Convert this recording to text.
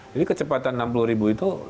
jadi kecepatan enam puluh ribu itu